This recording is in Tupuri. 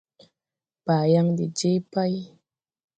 Baayaŋ de jee pày.